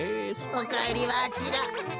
おかえりはあちら。